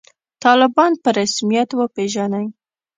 طالبان په رسمیت وپېژنئ